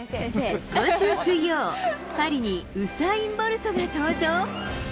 今週水曜、パリにウサイン・ボルトが登場。